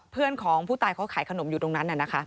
เพื่อนของผู้ตายเขาขายขนมอยู่ตรงนั้น